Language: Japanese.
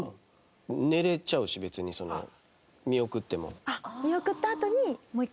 寝れちゃうし別にその見送っても。